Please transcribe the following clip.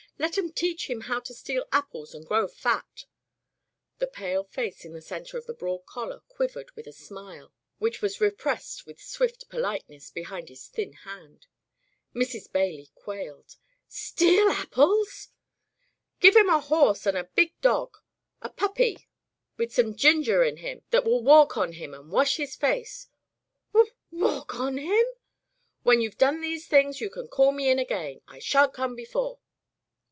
Let 'em teach him how to steal apples and grow fat!" The pale face in the centre of the broad collar quivered with a smile which was re pressed with swift politeness behind his thin hand. Mrs. Bailey quailed. "Steal apples!" "Get him a horse and a big dog — a puppy [ ^55 ] Digitized by LjOOQ IC Interventions with some ginger in him, that will walk on him and wash his face." "W walkonhim?'' "When youVe done these things you can call me in again. I shan't come before.'